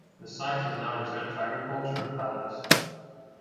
The site has now returned to agriculture and paddocks.